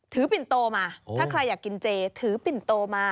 ปิ่นโตมาถ้าใครอยากกินเจถือปิ่นโตมา